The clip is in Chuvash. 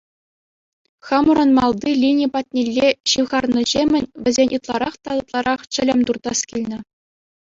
Хамӑрӑн малти лини патнелле ҫывхарнӑҫемӗн вӗсен ытларах та ытларах чӗлӗм туртас килнӗ.